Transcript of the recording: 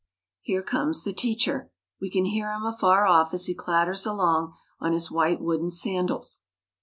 Here comes the teacher. We can hear him afar off as he clatters along on his white wooden sandals.